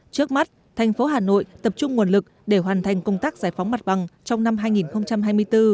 trước mắt thành phố hà nội tập trung nguồn lực để hoàn thành công tác giải phóng mặt bằng trong năm hai nghìn hai mươi bốn